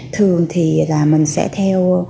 thường thì là mình sẽ theo